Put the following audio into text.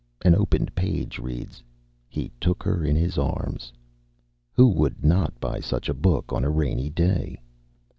An opened page reads, "he took her in his arms...." Who would not buy such a book on a rainy day?